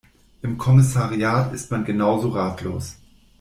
Im Kommissariat ist man genauso ratlos.